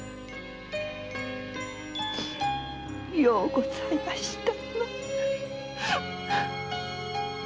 ようございましたな。